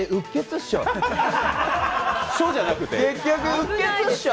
しょじゃなくて。